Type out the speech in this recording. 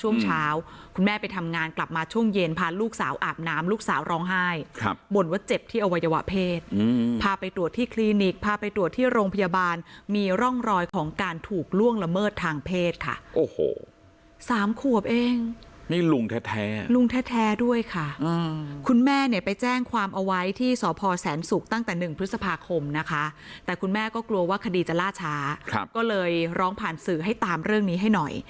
บ่นว่าเจ็บที่อวัยวะเพศอืมพาไปตรวจที่คลินิกพาไปตรวจที่โรงพยาบาลมีร่องรอยของการถูกล่วงละเมิดทางเพศค่ะโอ้โหสามขวบเองนี่ลุงแท้แท้ลุงแท้แท้ด้วยค่ะอืมคุณแม่เนี้ยไปแจ้งความเอาไว้ที่สภแสนศุกร์ตั้งแต่หนึ่งพฤษภาคมนะคะแต่คุณแม่ก็กลัวว่าคดีจะล่าช